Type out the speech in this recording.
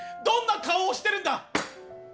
どんな顔をしてるんだ？